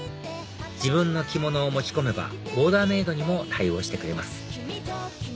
自分の着物を持ち込めばオーダーメイドにも対応してくれます